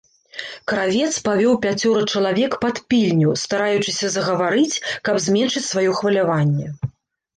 Кравец павёў пяцёра чалавек пад пільню, стараючыся загаварыць, каб зменшыць сваё хваляванне.